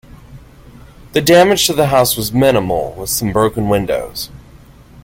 The damage to the house was minimal, with some broken windows.